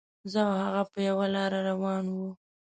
زه او هغه په یوه لاره روان وو.